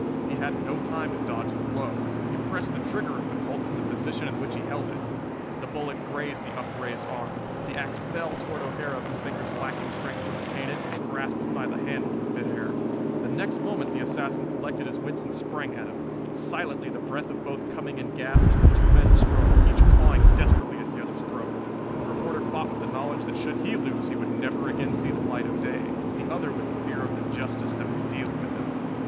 He had no time to dodge the blow. He pressed the trigger of the Colt from the position in which he held it. The bullet grazed the upraised arm. The ax fell toward O'Hara from fingers lacking strength to retain it, and he grasped it by the handle in midair. The next moment the assassin collected his wits and sprang at him. Silently, the breath of both coming in gasps, the two men strove, each clawing desperately at the other's throat. The reporter fought with the knowledge that should he lose he would never again see the light of day, the other with the fear of the justice that would deal with him.